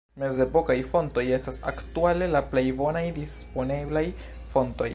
Mezepokaj fontoj estas aktuale la plej bonaj disponeblaj fontoj.